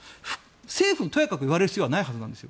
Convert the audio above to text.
政府にとやかく言われる必要はないはずなんですよ。